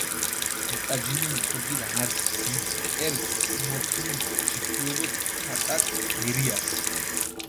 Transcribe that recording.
მიკაჯინჷნი, ქოძირჷ ართი დიდი კერქჷ ქომორთჷ ჯიქურო დო ქატაკჷ გერიასჷ.